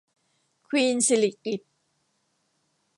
ควีนสิริกิติ์